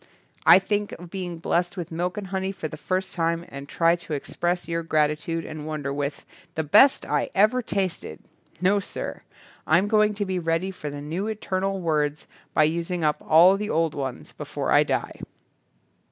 Think of being blessed with milk and honey for the first time and trying to express your gratitude and wonder with. The best I ever tasted'. No sir. I'm going to be ready for the new eternal words by using up all the old ones before I die."